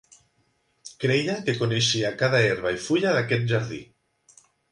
Creia que coneixia cada herba i fulla d'aquest jardí.